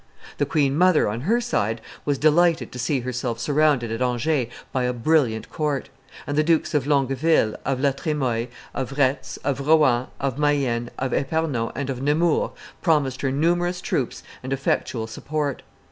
The queenmother, on her side, was delighted to see herself surrounded at Angers by a brilliant court; and the Dukes of Longueville, of La Tremoille, of Retz, of Rohan, of Mayenne, of Epernon, and of Nemours, promised her numerous troops and effectual support.